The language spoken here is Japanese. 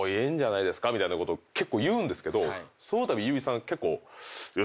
みたいなことを言うんですけどそのたび祐一さん結構。